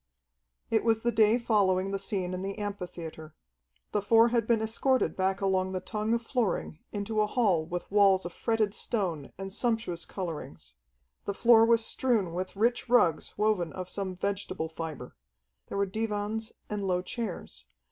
It was the day following the scene in the amphitheatre. The four had been escorted back along the tongue of flooring into a hall with walls of fretted stone and sumptuous colorings. The floor was strewn with rich rugs woven of some vegetable fibre. There were divans and low chairs.